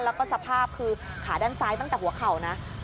แล้วก็สภาพคือขาด้านซ้ายตั้งแต่หัวเข่านะ